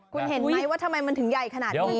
คุณเห็นไหมว่าทำไมมันถึงใหญ่ขนาดนี้